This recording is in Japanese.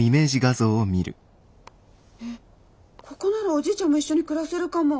ここならおじいちゃんも一緒に暮らせるかも。